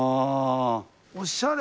おしゃれ！